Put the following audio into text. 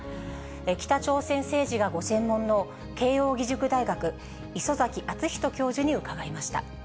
北朝鮮政治がご専門の慶應義塾大学、礒崎敦仁教授に伺いました。